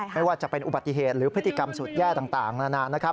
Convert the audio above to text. ไม่ว่าจะเป็นอุบัติเหตุหรือพฤติกรรมสุดแย่ต่างนานนะครับ